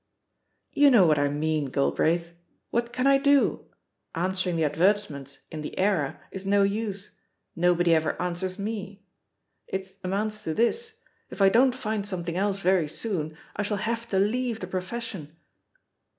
"You know what I mean, Galbraith. What can I do ? Answering the advertisements in The Era is no use — ^nobody ever answers me. It amounts to this, if I don't find something else ffHE POSITION OP PEGGY HARPER 7. very soon, I shall have to leave the profession!"